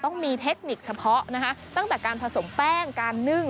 ต้องมีเทคนิคเฉพาะนะคะตั้งแต่การผสมแป้งการนึ่ง